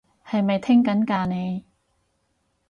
係咪聽緊㗎你？